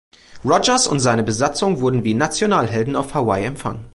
Rodgers und seine Besatzung wurden wie Nationalhelden auf Hawaii empfangen.